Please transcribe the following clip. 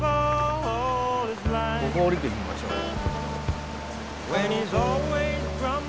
ここを降りてみましょうよ。